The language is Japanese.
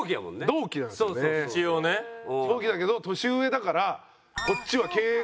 同期だけど年上だからこっちは敬語だし。